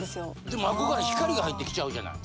でもあっこから光が入ってきちゃうじゃない。